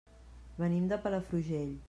Venim de Palafrugell.